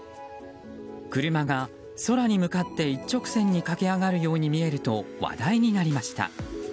車が空に向かって一直線に駆け上がるように見えると話題になりました。